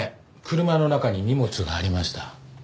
車の中に荷物がありました。